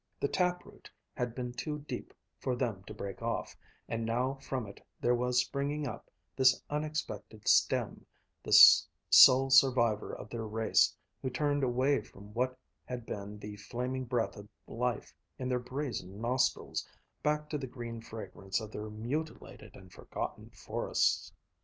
The taproot had been too deep for them to break off, and now from it there was springing up this unexpected stem, this sole survivor of their race who turned away from what had been the flaming breath of life in their brazen nostrils, back to the green fragrance of their mutilated and forgotten forests.